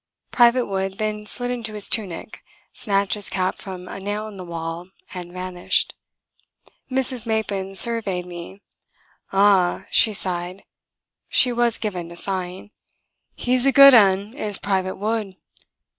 Private Wood then slid into his tunic, snatched his cap from a nail in the wall, and vanished. Mrs. Mappin surveyed me. "Ah!" she sighed she was given to sighing. "He's a good 'un, is Private Wood."